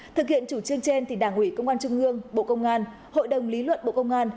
thực hiện chủ trương trên thì đảng ủy công an trung ương bộ công an hội đồng lý luận bộ công an